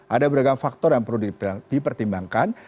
ada beragam faktor yang perlu dipertimbangkan